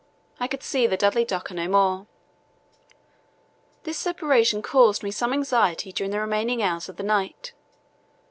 I saw the Dudley Docker no more. This separation caused me some anxiety during the remaining hours of the night.